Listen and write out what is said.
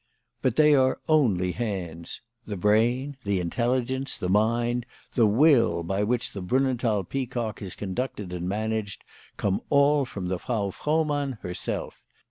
But they are only hands. The brain, the intelligence, the mind, the will by which the Brunnenthal Peacock is conducted and managed, come all from the Frau Frohmann herself.